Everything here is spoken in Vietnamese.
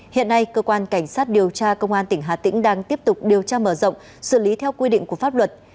hiện nay cơ quan cảnh sát điều tra công an tỉnh hà tĩnh đang tiếp tục điều tra mở rộng xử lý theo quy định của pháp luật